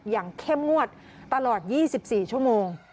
เข้มงวดตลอด๒๔ชั่วโมง